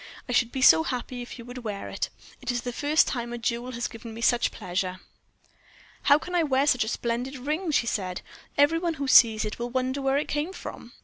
"I should be so happy if you would wear it it is the first time a jewel has given me such pleasure." "How can I wear such a splendid ring?" she said. "Every one who sees it will wonder where it came from."